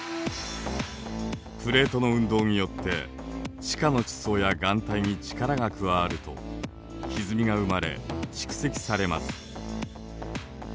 プレートの運動によって地下の地層や岩体に力が加わるとひずみが生まれ蓄積されます。